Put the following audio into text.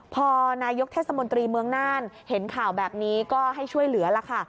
พอนายกเทศมนตรีเมืองน่านเห็นข่าวแบบนี้ก็ให้ช่วยเหลือล่ะค่ะ